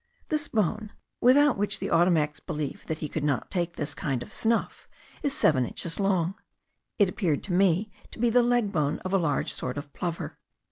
This bone, without which the Ottomac believes that he could not take this kind of snuff, is seven inches long: it appeared to me to be the leg bone of a large sort of plover.